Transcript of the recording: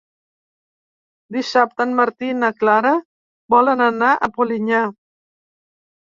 Dissabte en Martí i na Clara volen anar a Polinyà.